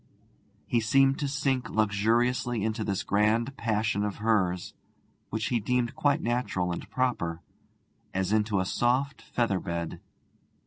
He seemed to sink luxuriously into this grand passion of hers (which he deemed quite natural and proper) as into a soft feather bed.